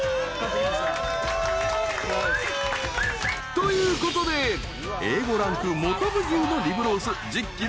［ということでＡ５ランクもとぶ牛のリブロース１０ｋｇを爆焼き］